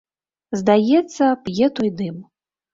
Здаецца, п'е той дым.